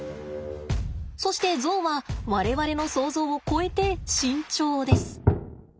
そしてゾウは我々の想ゾウを超えて慎重です。